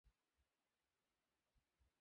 আর আমি কখনও কারো হতে পারলাম না।